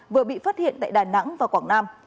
vừa bị phát hiện tại đà nẵng và quảng nam